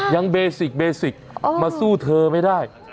ยังเบสิกเบสิกมาสู้เธอไม่ได้